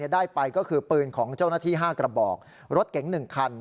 ได้ไปก็คือปืนของเจ้าหน้าที่๕กระบอกรถเก๋ง๑คัน